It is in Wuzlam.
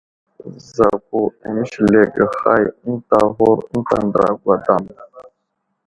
Zakw aməslige hay ənta aghur ənta andra gwadam.